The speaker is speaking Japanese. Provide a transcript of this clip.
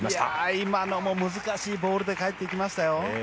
今のも難しいボールで返ってきましたよ。